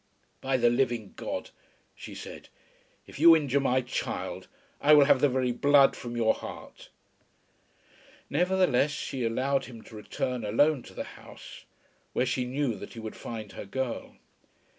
"By the living God," she said, "if you injure my child I will have the very blood from your heart." Nevertheless she allowed him to return alone to the house, where she knew that he would find her girl.